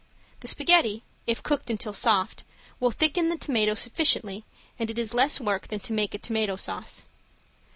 The spaghetti, if cooked until soft, will thicken the tomato sufficiently and it is less work than to make a tomato sauce.